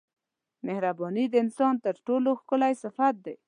مهرباني د انسان تر ټولو ښکلی صفت دی.